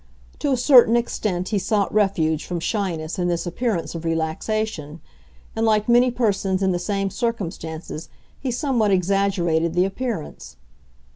To a certain extent, he sought refuge from shyness in this appearance of relaxation; and like many persons in the same circumstances he somewhat exaggerated the appearance.